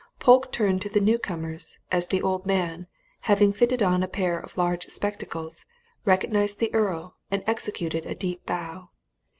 Polke turned to the newcomers, as the old man, having fitted on a pair of large spectacles, recognized the Earl and executed a deep bow.